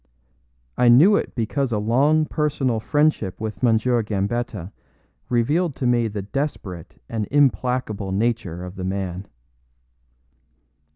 I knew it because a long personal friendship with M. Gambetta revealed to me the desperate and implacable nature of the man.